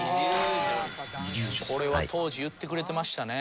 これは当時言ってくれてましたね。